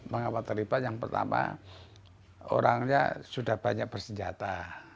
mengapa terlibat yang pertama orangnya sudah banyak bersenjata